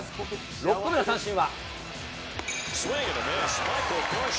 ６個目の三振は。